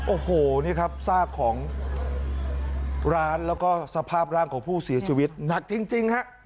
โอ้โหนี่ครับซากของร้านแล้วก็สภาพร่างของผู้เสียชีวิตหนักจริงฮะ